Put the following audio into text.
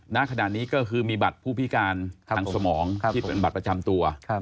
ณขณะนี้ก็คือมีบัตรผู้พิการทางสมองที่เป็นบัตรประจำตัว